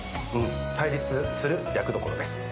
対立する役どころです。